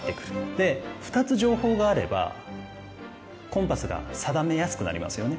で２つ情報があればコンパスが定めやすくなりますよね。